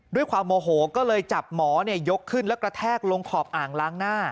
ด้วยความโมโหก็เลยจับหมอยกขึ้นแล้วกระแทกลงขอบอ่างล้างหน้า